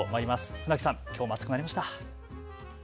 船木さん、きょうも暑くなりました。